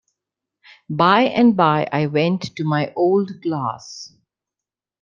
By and by I went to my old glass.